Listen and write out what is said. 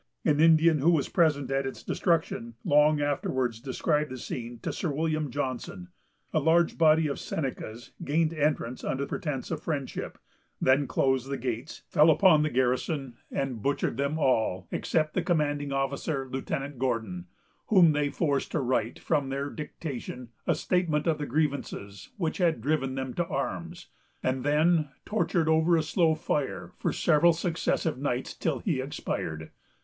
An Indian, who was present at its destruction, long afterwards described the scene to Sir William Johnson. A large body of Senecas gained entrance under pretence of friendship, then closed the gates, fell upon the garrison, and butchered them all except the commanding officer, Lieutenant Gordon, whom they forced to write, from their dictation, a statement of the grievances which had driven them to arms, and then tortured over a slow fire for several successive nights, till he expired.